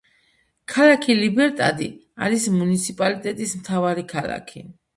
ქალაქი ლიბერტადი არის მუნიციპალიტეტის მთავარი ქალაქი.